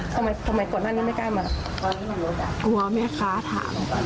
ทำไมก่อนหน้านี้ไม่กล้ามา